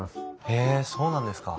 へえそうなんですか。